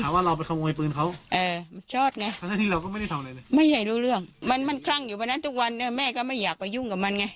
หาว่าเราไปขโมยปืนเขามันชอดไงไม่ให้รู้เรื่องมันคลั่งอยู่ตรงนั้นทุกวันแม่ก็ไม่อยากไปยุ่งกับมันไง